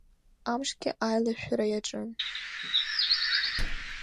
Амшгьы аилашәшәра иаҿын.